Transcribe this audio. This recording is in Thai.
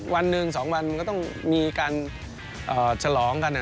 วันหนึ่ง๒วันมันก็ต้องมีการฉลองกัน